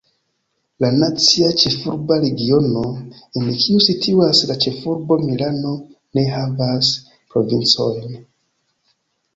La Nacia Ĉefurba Regiono, en kiu situas la ĉefurbo Manilo, ne havas provincojn.